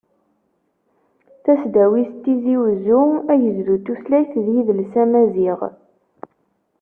Tasdawit n Tizi Uzzu, agezdu n tutlayt d yidles amaziɣ.